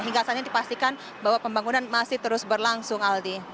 hingga saat ini dipastikan bahwa pembangunan masih terus berlangsung aldi